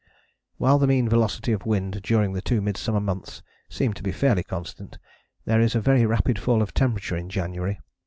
While the mean velocity of wind during the two midsummer months seems to be fairly constant, there is a very rapid fall of temperature in January.